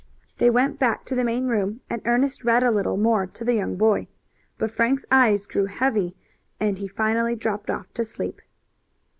They went back to the main room and Ernest read a little more to the young boy. But Frank's eyes grew heavy and he finally dropped off to sleep.